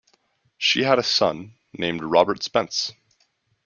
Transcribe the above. She had a son, named Robert Spence.